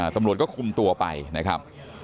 ตำรวจก็คุมตัวไปนะครับ